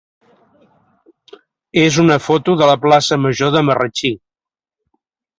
és una foto de la plaça major de Marratxí.